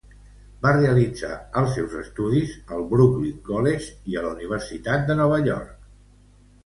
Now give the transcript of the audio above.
Va realitzar el seus estudis al Brooklyn College i a la Universitat de Nova York.